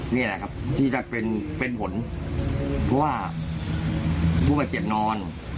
นี่แหละครับที่จะเป็นผลเพราะว่าผู้บาดเจ็บนอน